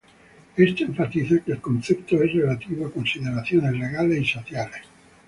Esto enfatiza que el concepto es relativo a consideraciones legales y sociales.